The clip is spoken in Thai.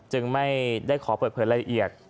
จึงไม่ได้ขอเปิดเผยรายละเอียด